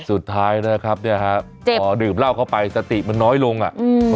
สุดท้ายนะครับเนี่ยฮะพอดื่มเหล้าเข้าไปสติมันน้อยลงอ่ะอืม